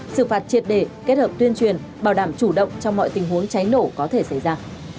sự phạt triệt để kết hợp tuyên truyền bảo đảm chủ động trong mọi tình huống cháy nổ có thể xảy ra